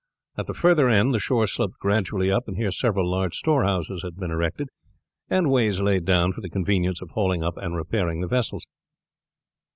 At the further end the shore sloped gradually up, and here several large storehouses had been erected, and ways laid down for the convenience of hauling up and repairing the vessels.